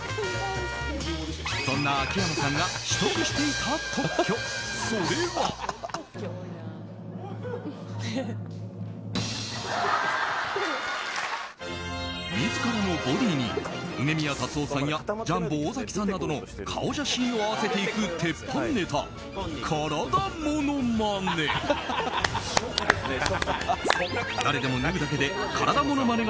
そんな秋山さんが取得していた特許、それは自らのボディーに梅宮辰夫さんやジャンボ尾崎さんなどの顔写真を合わせていく鉄板ネタ体モノマネ。